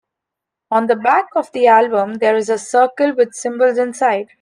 On the back of the album, there is a circle with symbols inside.